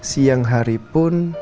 siang hari pun